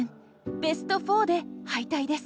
ベスト４で敗退です。